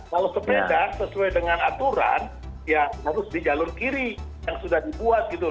kalau sepeda sesuai dengan aturan ya harus di jalur kiri yang sudah dibuat gitu